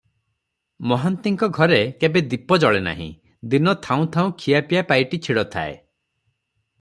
ମହାନ୍ତିଙ୍କ ଘରେ କେବେ ଦୀପ ଜଳେ ନାହିଁ, ଦିନ ଥାଉଁ ଥାଉଁ ଖିଆପିଆ ପାଇଟି ଛିଡ଼ଥାଏ ।